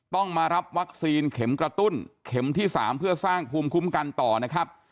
ต้องมารับวัคซีนเข็มกระตุ้นเข็มที่๓เพื่อสร้างภูมิคุ้มกันต่อนะครับ